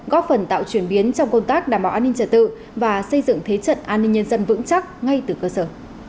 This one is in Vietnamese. góp phần tạo chuyển biến trong công tác đảm bảo an ninh trật tự và xây dựng thế trận an ninh nhân dân vững chắc ngay từ cơ sở